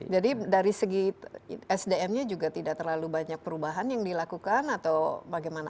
jadi dari segi sdm nya juga tidak terlalu banyak perubahan yang dilakukan atau bagaimana